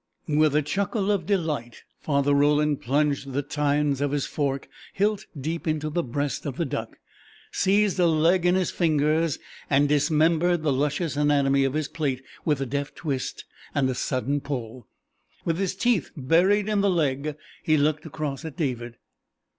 With a chuckle of delight Father Roland plunged the tines of his fork hilt deep into the breast of the duck, seized a leg in his fingers, and dismembered the luscious anatomy of his plate with a deft twist and a sudden pull. With his teeth buried in the leg he looked across at David.